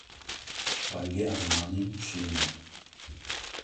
Rengê ezmanî şîn e.